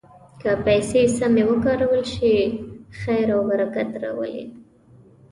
که پیسې سمې وکارول شي، خیر او برکت راولي.